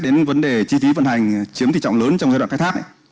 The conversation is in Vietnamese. đến vấn đề chi phí vận hành chiếm tỷ trọng lớn trong giai đoạn khai thác